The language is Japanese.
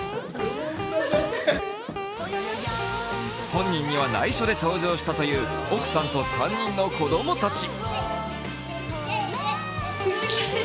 本人には内緒で登場したという奥さんと３人の子供たち。